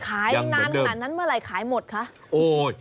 ขายนานนั้นเมื่อไรขายหมดคะ